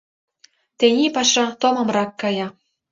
Тений паша томамрак кая.